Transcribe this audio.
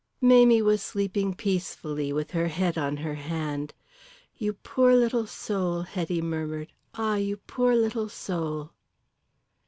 Mamie was sleeping peacefully with her head on her hand. "You poor little soul?" Hetty murmured. "Ah, you poor little soul!"